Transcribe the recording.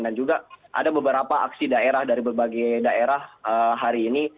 dan juga ada beberapa aksi daerah dari berbagai daerah hari ini